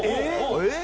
えっ？